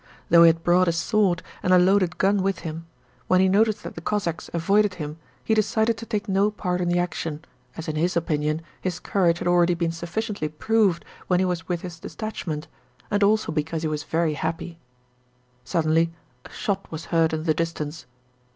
Though he had brought his sword and a loaded gun with him, when he noticed that the Cossacks avoided him he decided to take no part in the action, as in his opinion his courage had already been sufficiently proved when he was with his detachment, and also because he was very happy. Suddenly a shot was heard in the distance.